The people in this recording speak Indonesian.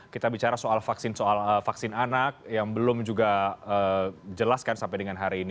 kita bicara soal vaksin anak yang belum juga jelas kan sampai dengan hari ini